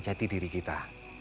jati diri kita